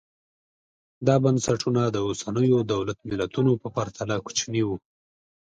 دا بنسټونه د اوسنیو دولت ملتونو په پرتله کوچني وو